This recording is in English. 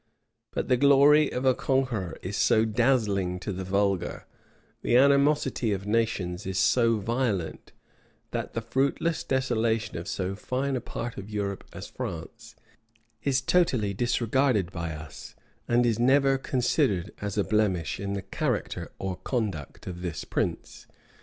But the glory of a conqueror is so dazzling to the vulgar, the animosity of nations is so violent, that the fruitless desolation of so fine a part of Europe as France, is totally disregarded by us, and is never considered as a blemish in the character or conduct of this prince.